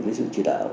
với sự chỉ đạo